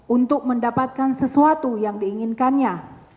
untuk mendapatkan sesuatu yang diinginkannya